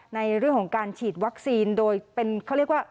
ในเรื่องของการฉีดวัคซีนโดยเป็นเขาเรียกว่า